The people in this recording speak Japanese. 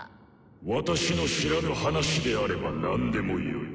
私の知らぬ話であれば何でもよい。